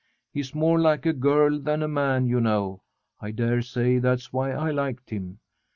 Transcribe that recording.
He's more like a girl than a man, you know. I daresay that's why I liked him.